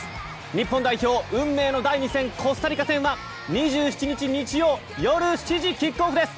日本代表運命の第２戦、コスタリカ戦は２７日日曜、夜７時キックオフです！